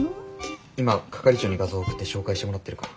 今係長に画像送って照会してもらってるから。